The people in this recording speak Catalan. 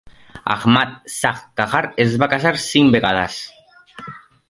Ahmad Shah Qajar es va casar cinc vegades.